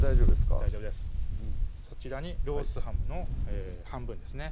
大丈夫ですそちらにロースハムの半分ですね